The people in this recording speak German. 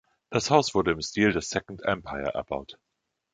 Das Haus wurde im Stil des Second Empire erbaut.